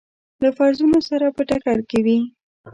له فرضونو سره په ټکر کې وي.